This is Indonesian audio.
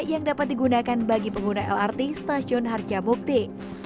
yang dapat digunakan bagi pengguna lrt stasiun harja bukti